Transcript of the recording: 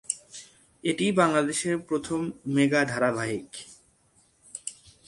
এটিই বাংলাদেশের প্রথম মেগা ধারাবাহিক।